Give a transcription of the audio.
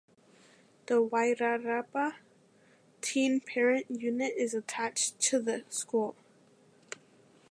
The Wairarapa Teen Parent Unit is attached to the school.